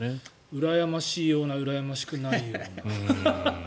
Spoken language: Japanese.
うらやましいようなうらやましくないような。